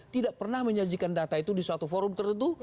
tidak pernah menyajikan data itu di suatu forum tertentu